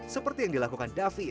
seperti yang dilakukan david